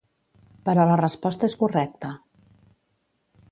Però la resposta és correcta.